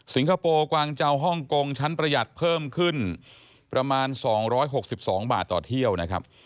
คโปร์กวางเจ้าฮ่องกงชั้นประหยัดเพิ่มขึ้นประมาณ๒๖๒บาทต่อเที่ยวนะครับ